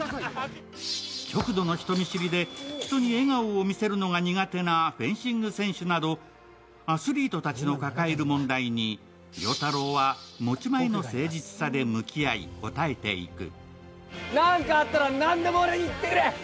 極度の人見知りで人に笑顔を見せるのがり苦手なフェンシング選手などアスリートたちの抱える問題に、亮太郎は持ち前の誠実さで向き合い、応えていく。